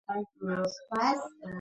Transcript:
دا بدلون د ځمکې ژوند ناممکن کوي.